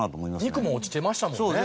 肉も落ちてましたもんね。